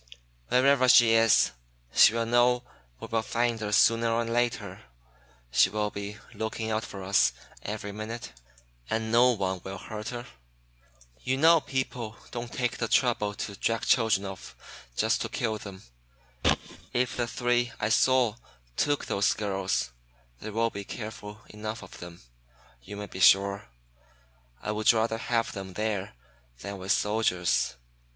Wherever she is, she will know we will find her sooner or later. She will be looking out for us every minute. And no one will hurt her. You know people don't take the trouble to drag children off just to kill them. If the three I saw took those girls, they will be careful enough of them, you may be sure. I would rather have them there than with soldiers.